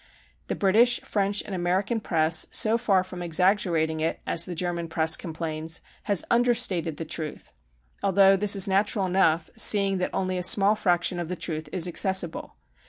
The British, French, and American press, so far from exaggerating it (as the German press com plains), has understated the truth, although this is natural enough, seeing that only a small fraction of the truth is accessible.